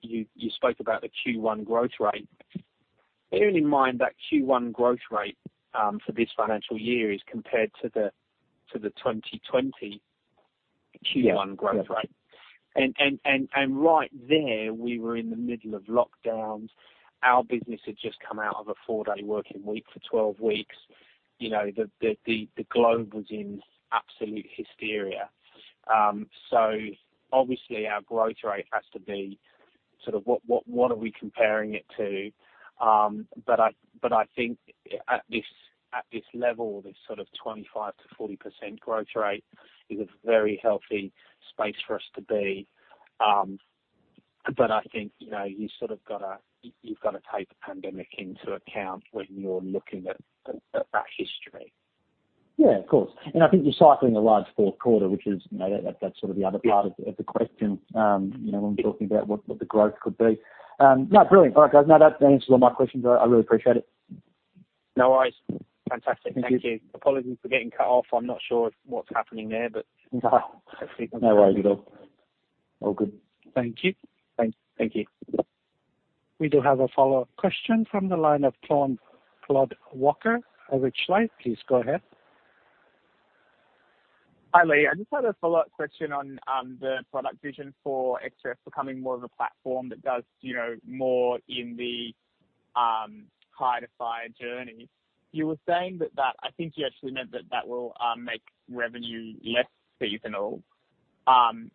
you've spoken about the Q1 growth rate. Bearing in mind that Q1 growth rate for this financial year is compared to the 2020 Q1 growth rate.. Right there, we were in the middle of lockdowns. Our business had just come out of a 4-day working week for 12 weeks. You know, the globe was in absolute hysteria. Obviously our growth rate has to be sort of what are we comparing it to? I think at this level, this sort of 25%-40% growth rate is a very healthy space for us to be. I think, you know, you sort of gotta. You've gotta take the pandemic into account when you're looking at that history. Of course. I think you're cycling a large fourth quarter, which is, you know, that's sort of the other part of the question, you know, when we're talking about what the growth could be. No, brilliant. All right, guys. No, that answers all my questions. I really appreciate it. No worries. Fantastic. Thank you. Apologies for getting cut off. I'm not sure what's happening there, but. No, no worries at all. All good. Thank you. Thank you. We do have a follow-up question from the line of Claude Walker of A Rich Life. Please go ahead. Hi, Lee. I just had a follow-up question on the product vision for Xref becoming more of a platform that does, you know, more in the hire-to-fire journey. You were saying that I think you actually meant that it will make revenue less seasonal. I'm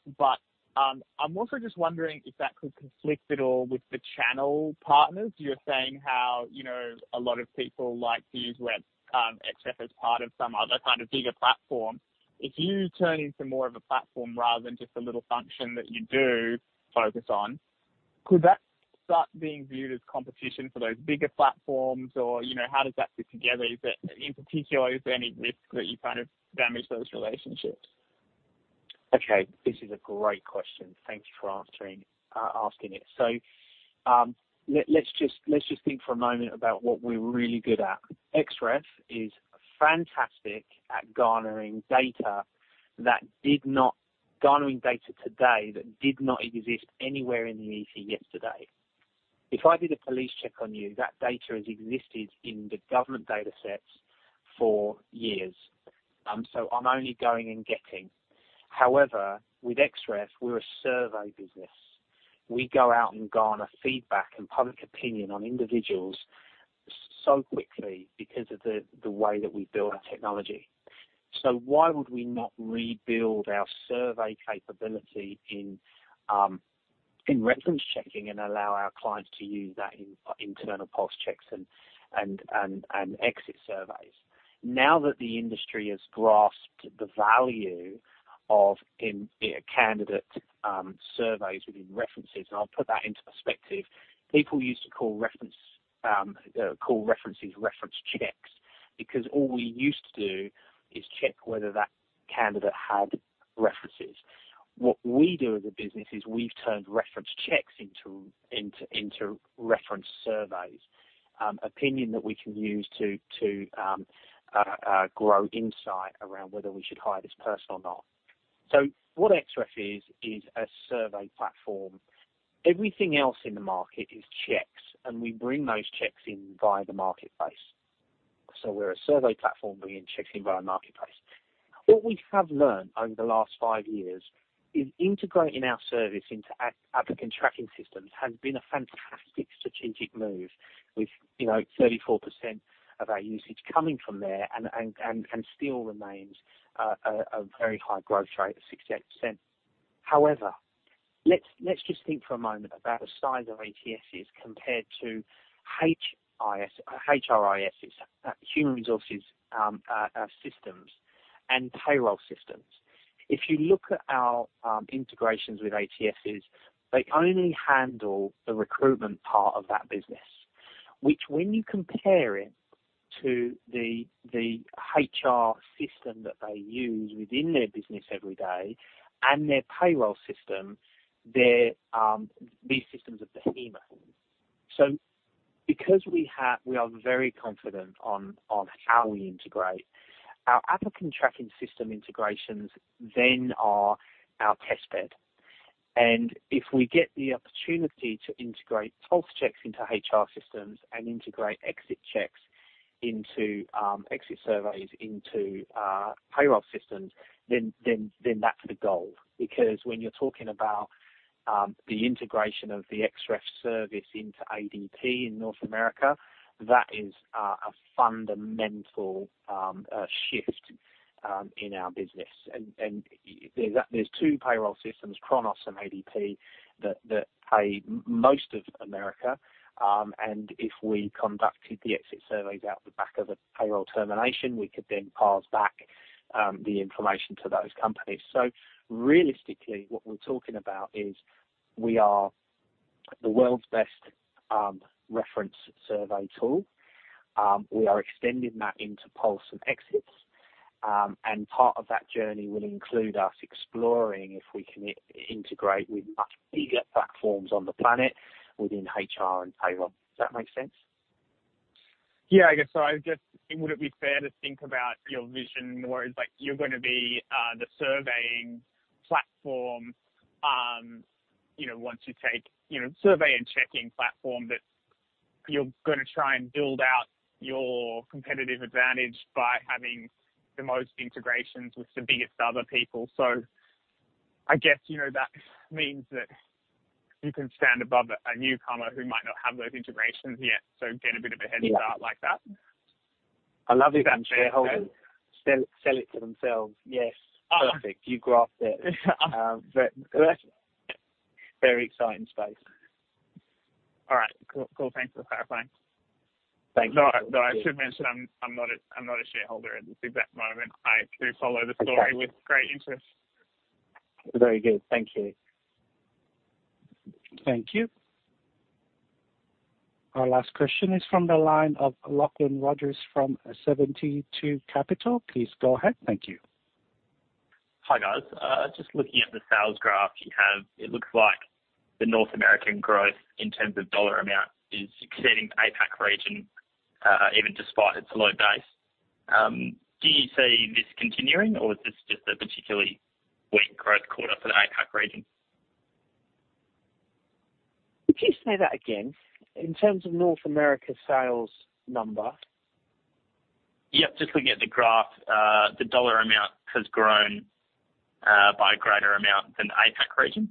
also just wondering if that could conflict at all with the channel partners. You're saying how, you know, a lot of people like to use Xref as part of some other kind of bigger platform. If you turn into more of a platform rather than just a little function that you do focus on, could that start being viewed as competition for those bigger platforms? Or, you know, how does that fit together? In particular, is there any risk that you kind of damage those relationships? Okay, this is a great question. Thanks for asking it. Let's just think for a moment about what we're really good at. Xref is fantastic at garnering data today that did not exist anywhere in the EC yesterday. If I did a police check on you, that data has existed in the government datasets for years. I'm only going and getting. However, with Xref, we're a survey business. We go out and garner feedback and public opinion on individuals so quickly because of the way that we build our technology. Why would we not rebuild our survey capability in reference checking and allow our clients to use that in internal pulse checks and exit surveys? Now that the industry has grasped the value of candidate surveys within references, and I'll put that into perspective, people used to call references reference checks because all we used to do is check whether that candidate had references. What we do as a business is we've turned reference checks into reference surveys. Opinion that we can use to grow insight around whether we should hire this person or not. What Xref is a survey platform. Everything else in the market is checks, and we bring those checks in via the marketplace. We're a survey platform bringing checks in via marketplace. What we have learned over the last five years is integrating our service into applicant tracking systems has been a fantastic strategic move with 34% of our usage coming from there and still remains a very high growth rate of 68%. However, let's just think for a moment about the size of ATSs compared to HRISs, human resources systems and payroll systems. If you look at our integrations with ATSs, they only handle the recruitment part of that business. Which when you compare it to the HR system that they use within their business every day and their payroll system, these systems are behemoth. Because we are very confident on how we integrate, our applicant tracking system integrations then are our test bed. If we get the opportunity to integrate pulse checks into HR systems and integrate exit checks into exit surveys into payroll systems, then that's the goal. Because when you're talking about the integration of the Xref service into ADP in North America, that is a fundamental shift in our business. There are two payroll systems, Kronos and ADP, that pay most of America. If we conducted the exit surveys out the back of a payroll termination, we could then pass back the information to those companies. Realistically, what we're talking about is we are the world's best reference survey tool. We are extending that into pulse and exits. Part of that journey will include us exploring if we can integrate with much bigger platforms on the planet within HR and payroll. Does that make sense? I guess so. I guess it wouldn't be fair to think about your vision where it's like you're gonna be the surveying platform, you know, survey and checking platform that you're gonna try and build out your competitive advantage by having the most integrations with the biggest other people. I guess, you know, that means that you can stand above a newcomer who might not have those integrations yet, so get a bit of a head start like that. I love it when shareholders sell it to themselves. Yes. Perfect. You grasped it. That's very exciting space. All right, cool. Thanks for clarifying. Thanks. No, I should mention, I'm not a shareholder at this exact moment. I do follow the story. Okay. with great interest. Very good. Thank you. Thank you. Our last question is from the line of Lachlan Rogers from SeventyTwo Capital. Please go ahead. Thank you. Hi, guys. Just looking at the sales graph you have, it looks like the North American growth in terms of dollar amount is exceeding the APAC region, even despite its low base. Do you see this continuing or is this just a particularly weak growth quarter for the APAC region? Would you say that again? In terms of North American sales numbers? Just looking at the graph, the dollar amount has grown by a greater amount than the APAC region.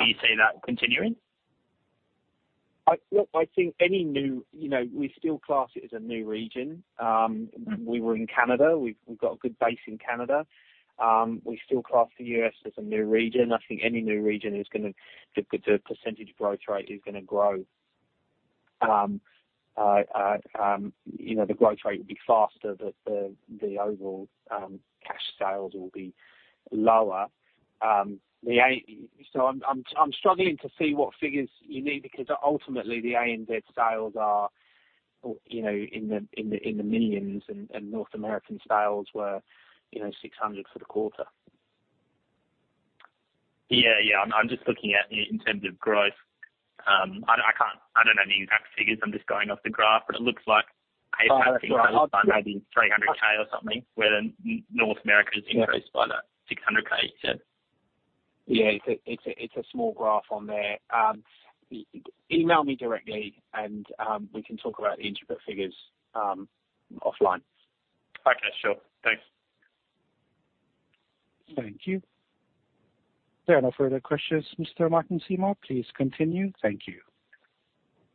Do you see that continuing? I think any new. You know, we still class it as a new region. We were in Canada. We've got a good base in Canada. We still class the U.S. as a new region. I think the percentage growth rate is gonna grow. You know, the growth rate will be faster, but the overall cash sales will be lower. I'm struggling to see what figures you need because ultimately the ANZ sales are, you know, in the millions and North American sales were, you know, $600 for the quarter. I'm just looking at in terms of growth. I don't know the exact figures. I'm just going off the graph, but it looks like APAC- Oh, that's all right. maybe $300k or something, where North America has increased by that 600k, you said. It's a small graph on there. Email me directly and we can talk about the interim figures offline. Okay. Sure. Thanks. Thank you. There are no further questions, Mr. Lee-Martin Seymour. Please continue. Thank you.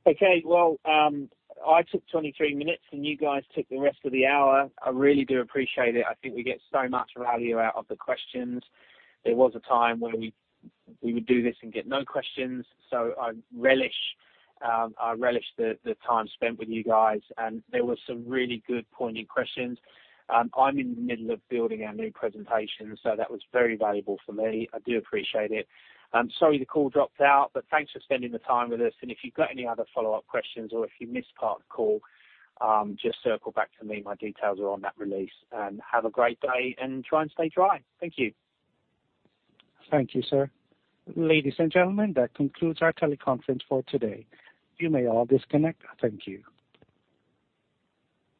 Okay. Well, I took 23 minutes, and you guys took the rest of the hour. I really do appreciate it. I think we get so much value out of the questions. There was a time when we would do this and get no questions. I relish the time spent with you guys. There were some really good, poignant questions. I'm in the middle of building our new presentation, so that was very valuable for me. I do appreciate it. I'm sorry the call dropped out, but thanks for spending the time with us. If you've got any other follow-up questions or if you missed part of the call, just circle back to me. My details are on that release. Have a great day and try and stay dry. Thank you. Thank you, sir. Ladies and gentlemen, that concludes our teleconference for today. You may all disconnect. Thank you.